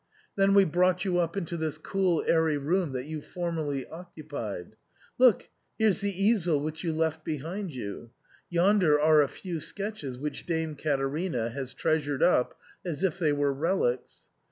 Then we brought you up into this cool airy room that you formerly occupied. Look, there's the easel which you left behind you ; yonder are a few sketches which Dame Caterina has treasured up as if they were relics.